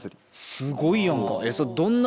すごいやんか。